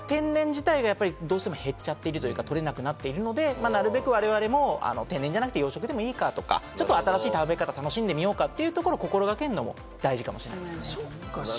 だから天然自体がどうしても減っちゃってるというか取れなくなっているので、なるべく我々も天然じゃなくても養殖でいいかとか、新しい食べ方を楽しんでみようかということを心掛けるのも大事かもしれません。